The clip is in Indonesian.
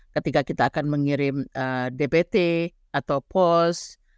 ketika kita akan mengirim dbt atau pos